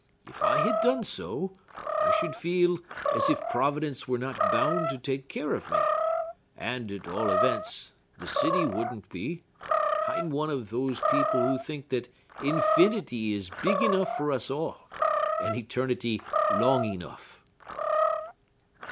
If I had done so, I should feel as if Providence was not bound to take care of me; and, at all events, the city wouldn't be! I'm one of those people who think that infinity is big enough for us all—and eternity long enough."